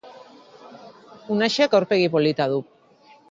Unaxek aurpegi polita du